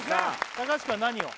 高橋くんは何を？